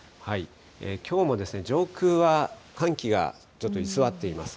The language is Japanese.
きょうも上空は寒気がちょっと居座っています。